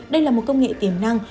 đây là một công nghệ tiềm năng